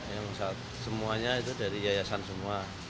yang semuanya itu dari yayasan semua